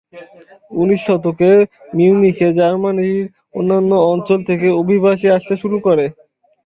উনিশ শতকে, মিউনিখে জার্মানির অন্যান্য অঞ্চল থেকে অভিবাসী আসতে শুরু করে।